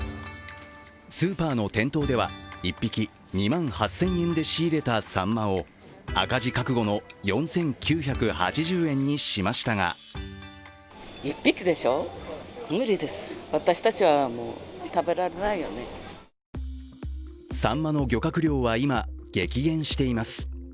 スーパーの店頭では１匹２万８０００円で仕入れたさんまを赤字覚悟の４９８０円にしましたがさんまの漁獲量は今、激減しています。